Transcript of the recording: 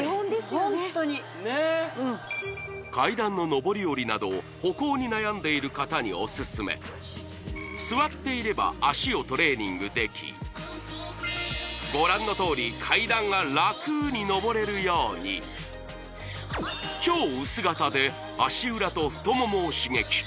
ホントにうん階段の上り下りなど歩行に悩んでいる方にオススメ座っていれば脚をトレーニングできご覧のとおり階段が楽に上れるように超薄型で足裏と太ももを刺激